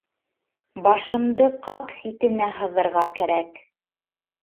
Башымды ҡап ситенә һыҙырға кәрәк.